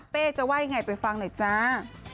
จะว่ายังไงไปฟังหน่อยจ้า